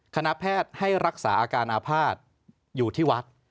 คณะแพทย์ให้รักษาอาการอาภาษณ์อยู่ที่วัด